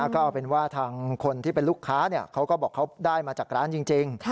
ก็เอาเป็นว่าทางคนที่เป็นลูกค้าเขาก็บอกเขาได้มาจากร้านจริง